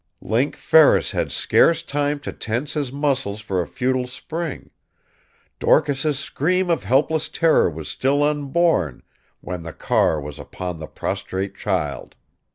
Link Ferris had scarce time to tense his muscles for a futile spring Dorcas's scream of helpless terror was still unborn when the car was upon the prostrate child.